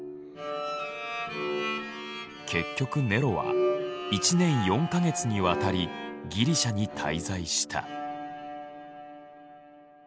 結局ネロは１年４か月にわたりギリシャに滞在した。